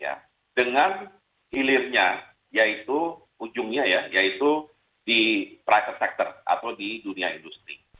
ya dengan hilirnya yaitu ujungnya ya yaitu di private sector atau di dunia industri